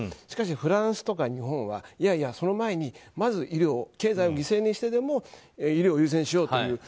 しかし、フランスとか日本はいやいや、その前にまず経済を犠牲にしてでも医療を優先にしようと。